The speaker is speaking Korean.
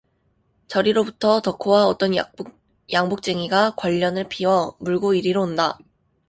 저리로부터 덕호와 어떤 양복쟁이가 궐련을 피워 물고 이리로 온다.